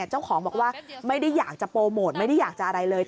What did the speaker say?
เจ้าของบอกว่าไม่ได้อยากจะโปรโมทไม่ได้อยากจะอะไรเลย